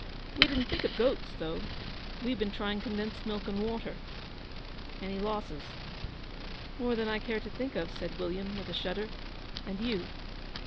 We didn't think of goats, though. We've been trying condensed milk and water.' 'Any losses?' 'More than I care to think of,' said William, with a shudder. 'And you?'